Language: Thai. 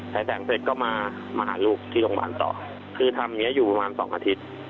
แสงเสร็จก็มามาหาลูกที่โรงพยาบาลต่อคือทำอย่างเงี้อยู่ประมาณสองอาทิตย์